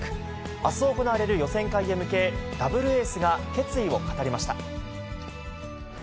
あす行われる予選会へ向け、ダブルエースが決意を語りました。